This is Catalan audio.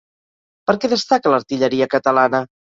Per què destaca l'artilleria catalana?